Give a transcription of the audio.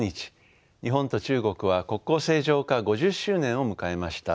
日本と中国は国交正常化５０周年を迎えました。